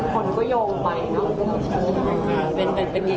คนก็โยงไป